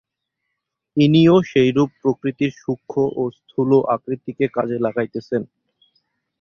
ইনিও সেইরূপ প্রকৃতির সূক্ষ্ম ও স্থূল আকৃতিকে কাজে লাগাইতেছেন।